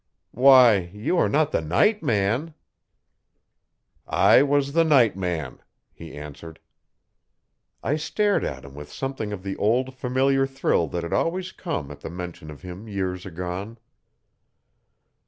'Why, you are not the night man?' 'I was the night man,' he answered. I stared at him with something of the old, familiar thrill that had always come at the mention of him years agone.